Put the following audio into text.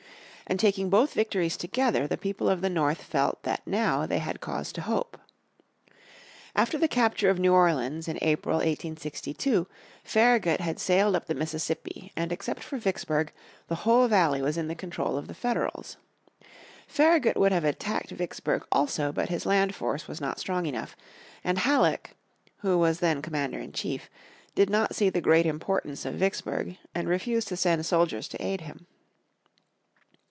And taking both victories together the people of the North felt that now they had cause to hope. After the capture of New Orleans in April, 1862, Faragut had sailed up the Mississippi, and except for Vicksburg the whole valley was in the control of the Federals. Faragut would have attacked Vicksburg also but his land force was not strong enough, and Halleck, who was then commander in chief, did not see the great importance of Vicksburg, and refused to send soldiers to aid him.